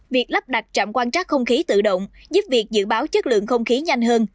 việc lắp đặt trạm quan trắc không khí tự động giúp việc dự báo chất lượng không khí nhanh hơn